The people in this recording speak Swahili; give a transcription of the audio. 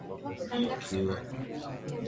ikiwa ni pamoja na kukagua mizigo yote inayoingia